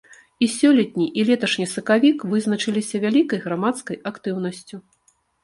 І сёлетні, і леташні сакавік вызначыліся вялікай грамадскай актыўнасцю.